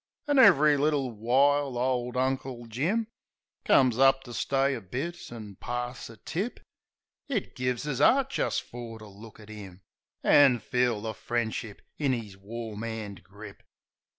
An' ev'ry little while ole Uncle Jim Comes up to stay a bit an' pass a tip. It gives us 'eart jist fer to look at 'im, An' feel the friendship in 'is warm 'and grip.